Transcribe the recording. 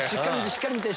しっかり見て！